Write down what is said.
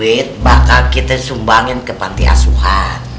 uit bakal kita sumbangin ke panti asuhan